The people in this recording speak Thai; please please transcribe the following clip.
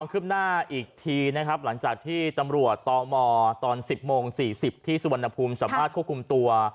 ขึ้นหน้าอีกทีนะครับหลังจากที่ตำรวจตมตอน๑๐โมง๔๐ที่สุวรรณภูมิสามารถควบคุมตัว